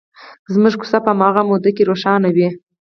زموږ کوڅه په هماغې موده کې روښانه وي.